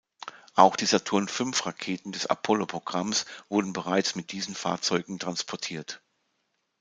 Auch die Saturn-V-Raketen des Apollo-Programmes wurden bereits mit diesen Fahrzeugen transportiert.